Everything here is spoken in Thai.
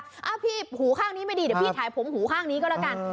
อ้าวพี่หูข้างนี้ไม่ดีเดี๋ยวพี่ถ่ายผมหูข้างนี้ก็แล้วกัน